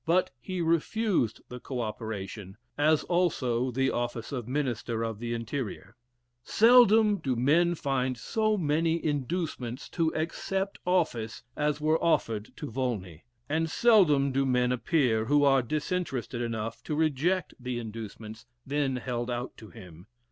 But he refused the co operation, as also the office of Minister of the Interior. Seldom do men find so many inducements to "accept office" as was offered to Volney; and seldom do men appear who are disinterested enough to reject the inducements then held out to him.